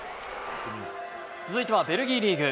続いてはベルギーリーグ。